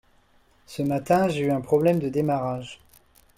Ce matin, j’ai eu un problème de démarrage.